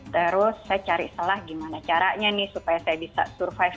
terus saya cari salah gimana caranya nih supaya saya bisa survive